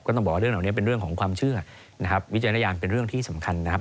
ต้องบอกว่าเรื่องเหล่านี้เป็นเรื่องของความเชื่อนะครับวิจารณญาณเป็นเรื่องที่สำคัญนะครับ